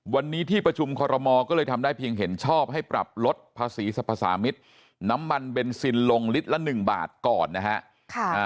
วันนี้ที่ประชุมคอรมอก็เลยทำได้เพียงเห็นชอบให้ปรับลดภาษีสรรพสามิตรน้ำมันเบนซินลงลิตรละ๑บาทก่อนนะฮะ